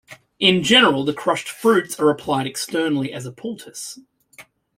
In general the crushed fruits are applied externally as a poultice.